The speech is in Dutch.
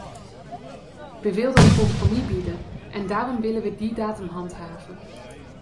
Wij wilden een compromis bieden en daarom willen we die datum handhaven.